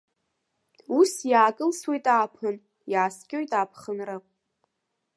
Ус иаакылсуеит ааԥын, иааскьоит аԥхынра.